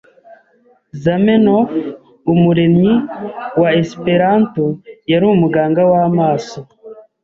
Zamenhof, umuremyi wa Esperanto, yari umuganga w'amaso.